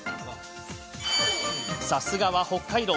さすがは北海道。